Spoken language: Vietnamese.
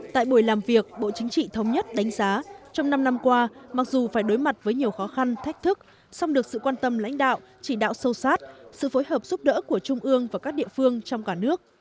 tại buổi làm việc bộ chính trị thống nhất đánh giá trong năm năm qua mặc dù phải đối mặt với nhiều khó khăn thách thức song được sự quan tâm lãnh đạo chỉ đạo sâu sát sự phối hợp giúp đỡ của trung ương và các địa phương trong cả nước